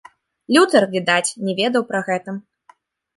Лютэр, відаць, не ведаў пра гэта.